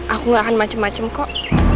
aku gak akan macem macem kok